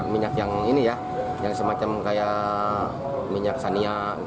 minyak yang ini ya yang semacam kayak minyak sania